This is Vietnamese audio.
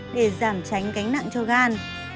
để giảm tránh gánh nặng cho gan